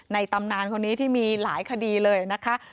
ตำนานคนนี้ที่มีหลายคดีเลยนะคะ